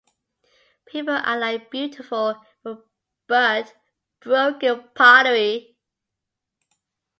People are like beautiful but broken pottery.